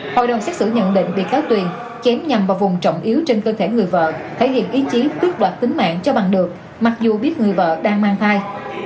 hội đồng xét xử nhận định bị cáo tuyền chém nhằm vào vùng trọng yếu trên cơ thể người vợ thể hiện ý chí quyết đoạt tính mạng cho bằng được mặc dù biết người vợ đang mang thai